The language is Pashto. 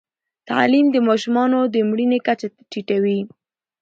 تعلیم د ماشومانو د مړینې کچه ټیټوي.